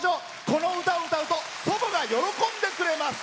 この歌を歌うと祖母が喜んでくれます。